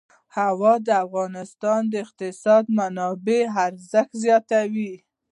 هوا د افغانستان د اقتصادي منابعو ارزښت زیاتوي.